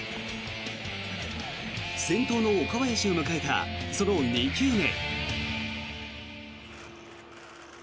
先頭の岡林を迎えたその２球目。